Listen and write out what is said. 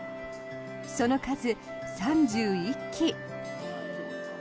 その数、３１機。